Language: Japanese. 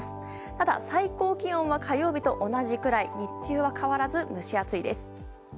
ただ、最高気温は火曜日と同じくらい、日中は変わらず蒸し暑いです。